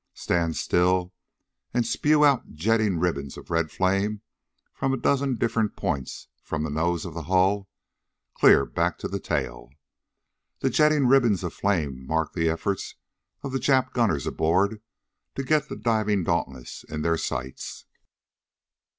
Stand still and spew out jetting ribbons of red flame from a dozen different points from the nose of the hull clear back to the tail. The jetting ribbons of flame marked the efforts of the Jap gunners aboard to get the diving Dauntless in their sights.